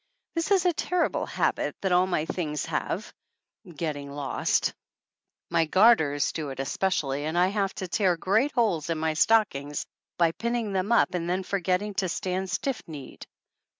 This is a terrible habit that all my things have getting lost. My garters do it especially and I have to tear great holes in my THE ANNALS OF ANN stockings by pinning them up and then forget ting to stand stiff kneed.